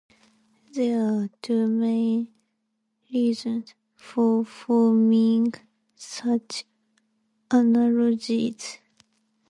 There are two main reasons for forming such analogies.